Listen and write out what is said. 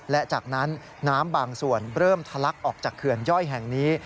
และจากนั้นน้ำบางส่วนเริ่มทะลักออกจากเขื่อนย่อยแห่งนี้